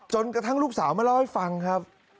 กระทั่งลูกสาวมาเล่าให้ฟังครับ